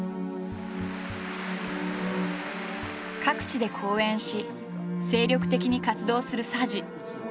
各地で講演し精力的に活動する佐治。